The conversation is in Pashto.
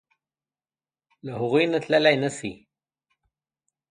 له هغوی نه تللی نشې.